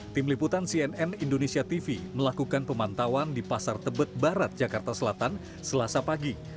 tim liputan cnn indonesia tv melakukan pemantauan di pasar tebet barat jakarta selatan selasa pagi